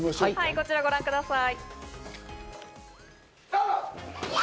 こちらをご覧ください。